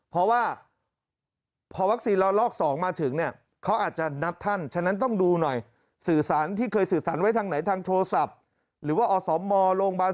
เพราะว่าพอวัคซีนเราลอก๒มาถึง